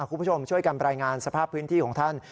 คุณผู้ชมช่วยกันรายงานสภาพพื้นที่ของท่าน